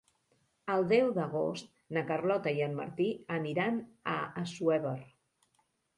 El deu d'agost na Carlota i en Martí aniran a Assuévar.